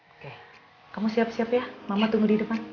oke kamu siap siap ya mama tunggu di depan